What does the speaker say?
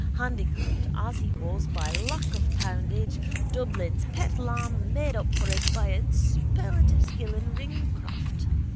Handicapped as he was by lack of poundage, Dublin's pet lamb made up for it by superlative skill in ringcraft.